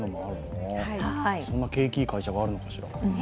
そんな景気いい会社あるのかしら。